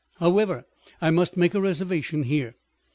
However, I must make a reservation here.